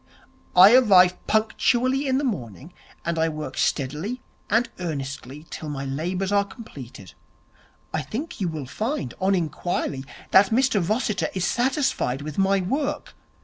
I arrive punctually in the morning, and I work steadily and earnestly till my labours are completed. I think you will find, on inquiry, that Mr Rossiter is satisfied with my work.'